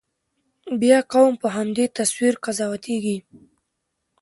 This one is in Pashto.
بیا قوم په همدې تصویر قضاوتېږي.